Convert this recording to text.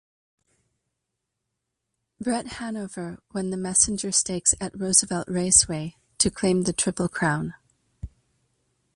Bret Hanover won the Messenger Stakes at Roosevelt Raceway to claim the Triple Crown.